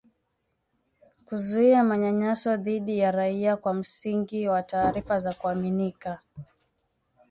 kuzuia manyanyaso dhidi ya raia kwa msingi wa taarifa za kuaminika